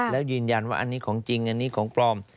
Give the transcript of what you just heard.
แล้วยืนยันว่าอันนี้ของจริงอันนี้ของปลอม